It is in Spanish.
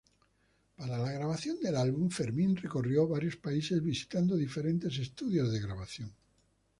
Para la grabación del álbum Fermin recorrió varios países visitando diferentes estudios de grabación.